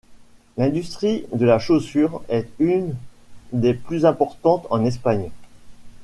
L'industrie de la chaussure est une des plus importantes en Espagne.